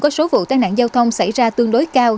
có số vụ tai nạn giao thông xảy ra tương đối cao